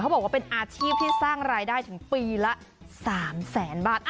บอกว่าเป็นอาชีพที่สร้างรายได้ถึงปีละ๓แสนบาท